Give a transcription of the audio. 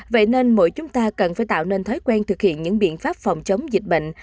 vậy nên mỗi chúng ta cần phải tạo nên thói quen thực hiện những biện pháp phòng chống dịch bệnh